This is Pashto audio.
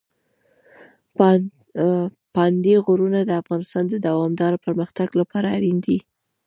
پابندي غرونه د افغانستان د دوامداره پرمختګ لپاره اړین دي.